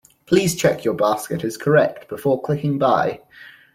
Please check your basket is correct before clicking buy.